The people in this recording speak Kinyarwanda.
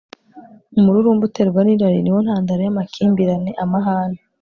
umururumba uterwa n'irari ni wo ntandaro y'amakimbirane, amahane